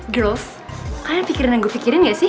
growth kalian pikirin yang gue pikirin gak sih